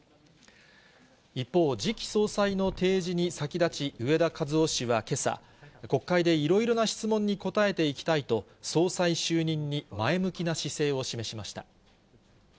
一方、次期総裁の提示に先立ち、植田和男氏はけさ、国会でいろいろな質問に答えていきたいと、総裁就任に前向きな姿勢を示しました。